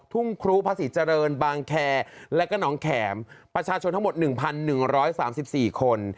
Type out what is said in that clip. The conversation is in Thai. ทุ่งครูพระศรีเจริญบางแคร์และก็น้องแข็มประชาชนทั้งหมด๑๑๓๔คน